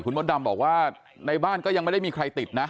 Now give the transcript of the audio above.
มดดำบอกว่าในบ้านก็ยังไม่ได้มีใครติดนะ